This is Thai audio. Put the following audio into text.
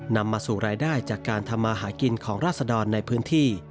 นำมาสู่รายได้จากการทำมาหากินของราศดรในพื้นที่